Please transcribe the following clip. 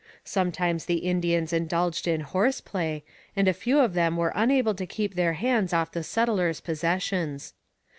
Sometimes the Indians indulged in horse play, and a few of them were unable to keep their hands off the settlers' possessions.